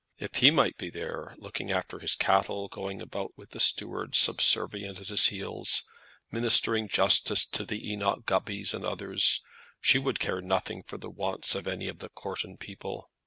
If he might be there, looking after his cattle, going about with the steward subservient at his heels, ministering justice to the Enoch Gubbys and others, she would care nothing for the wants of any of the Courton people.